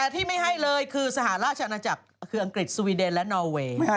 แต่คือสหราชอาณาจักรอังกฤษสวีเดนและนอเวย์